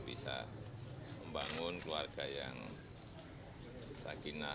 bisa membangun keluarga yang sakinah